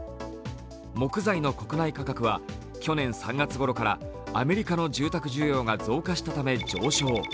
木材の国内価格は去年３月ごろからアメリカの住宅需要が増加したため上昇。